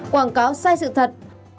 quảng cáo sai sự thật